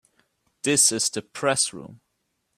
This is the Press Room.